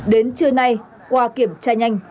đến trưa nay qua kiểm tra nhanh